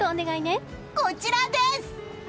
こちらです！